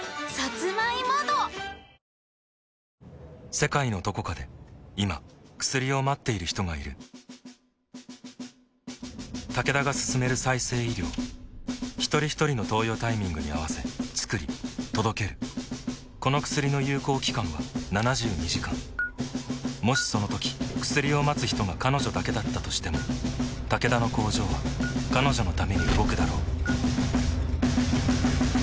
世界のどこかで今薬を待っている人がいるタケダが進める再生医療ひとりひとりの投与タイミングに合わせつくり届けるこの薬の有効期間は７２時間もしそのとき薬を待つ人が彼女だけだったとしてもタケダの工場は彼女のために動くだろう